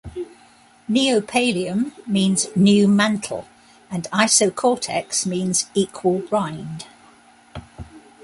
Neopallium means "new mantle" and isocortex means "equal rind".